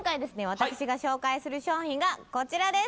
私が紹介する商品がこちらです